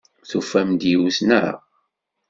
Tufam-d yiwet, naɣ?